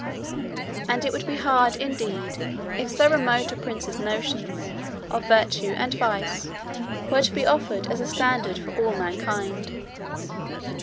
And it would be hard indeed, if so remote a prince's notions of virtue and vice were to be offered as a standard for all mankind.